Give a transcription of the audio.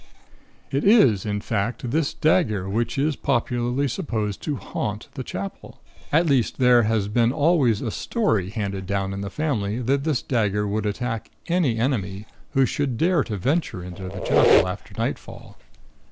"It is, in fact, this dagger which is popularly supposed to 'haunt' the Chapel. At least, there has been always a story handed down in the family that this dagger would attack any enemy who should dare to venture into the Chapel, after nightfall.